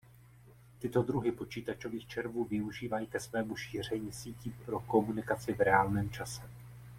Tyto druhy počítačových červů využívají ke svému šíření sítí pro komunikaci v reálném čase.